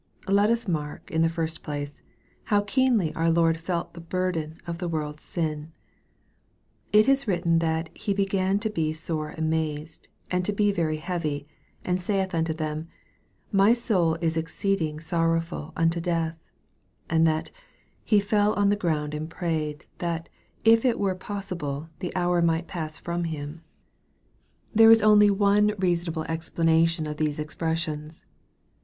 Let us mark, in the first place, how keenly our Lord felt the burden of a. world's sin. It is written that He " began to be sore amazed, and to be very heavy ; and gaith unto them, My soul is exceeding sorrowful unto death," and that " he fell on the ground, and prayed, that, if it were possible, the hour might pass from him.* MARK, CHAP. XIV. 317 Thore is only one reasonable explanation of these ex pi essions.